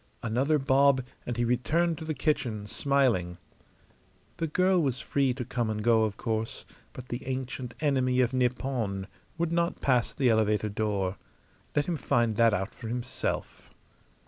Another bob, and he returned to the kitchen, smiling. The girl was free to come and go, of course, but the ancient enemy of Nippon would not pass the elevator door. Let him find that out for himself.